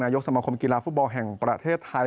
ยกสมคมกีฬาฟุตบอลแห่งประเทศไทย